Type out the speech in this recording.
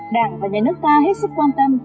đảng và nhà nước ta hết sức quan tâm